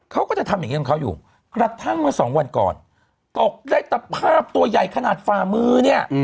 เขาก็จะทำอย่างนี้กับเขาอยู่ระทั่งว่า๒วันก่อนตกได้ภาพตัวใหญ่ขนาดฟามื้อ